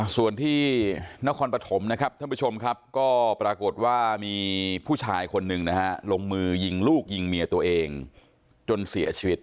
ส่วนที่นครปฐมนะครับท่านผู้ชมครับก็ปรากฏว่ามีผู้ชายคนหนึ่งนะฮะลงมือยิงลูกยิงเมียตัวเองจนเสียชีวิต